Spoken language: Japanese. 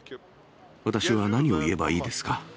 私は何を言えばいいですか。